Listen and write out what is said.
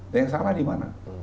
yang salah di mana